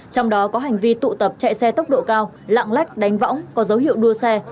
trong đó có hành vi tụ tập chạy xe tốc độ cao lạng lách đánh võng có dấu hiệu đua xe